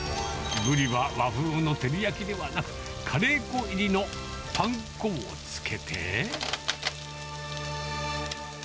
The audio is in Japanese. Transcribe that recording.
ブリは和風の照り焼きではなく、カレー粉入りのパン粉をつけて。